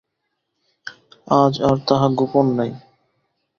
আজ আর তাহা গোপন নাই।